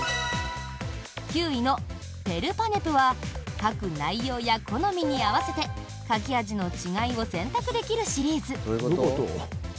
９位のＰＥＲＰＡＮＥＰは書く内容や好みに合わせて書き味の違いを選択できるシリーズ。